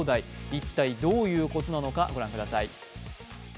一体どういうことなのか、ご覧ください。